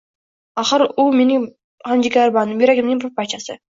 Axir u mening ham jigarbandim, yuragimning bir parchasi.